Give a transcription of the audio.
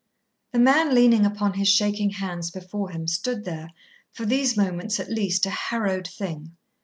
The man, leaning upon his shaking hands before him, stood there, for these moments at least, a harrowed thing.